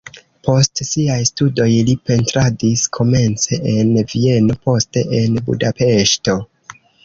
Post siaj studoj li pentradis komence en Vieno, poste en Budapeŝto.